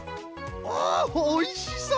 おおおいしそう！